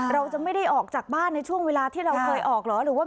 เราจะไม่ได้ออกจากบ้านในช่วงเวลาที่เราเคยออกเหรอหรือว่า